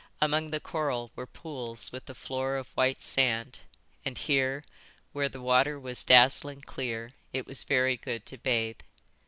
Among the coral were pools with a floor of white sand and here, where the water was dazzling clear, it was very good to bathe.